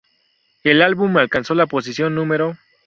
El álbum alcanzó la posición No.